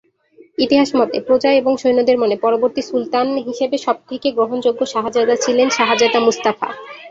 ইতিহাস মতে, প্রজা এবং সৈন্যদের মনে পরবর্তী সুলতান হিসেবে সবথেকে গ্রহণযোগ্য শাহজাদা ছিলেন শাহজাদা মুস্তাফা।